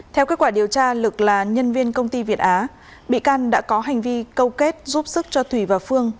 theo kết quả điều tra lực là nhân viên công ty việt á bị can đã có hành vi câu kết giúp sức cho thủy và phương